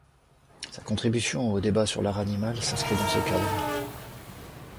Sa contribution au débat sur l’art animal s’inscrit dans ce cadre.